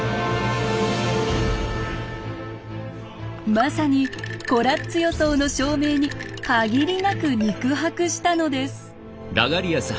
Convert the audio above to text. まさにコラッツ予想の証明に限りなく肉薄したのです。